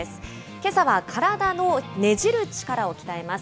けさは、体のねじる力を鍛えます。